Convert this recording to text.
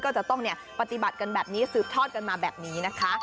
ก็จะต้องปฏิบัติกันแบบนี้สืบทอดกันมาแบบนี้นะคะ